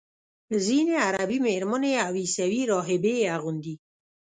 ځینې عربي میرمنې او عیسوي راهبې یې اغوندي.